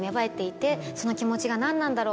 その気持ちが何なんだろう？